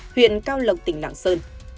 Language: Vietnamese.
huyện cao lộc tỉnh lạng sơn